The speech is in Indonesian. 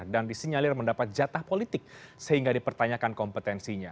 dan disinyalir mendapat jatah politik sehingga dipertanyakan kompetensinya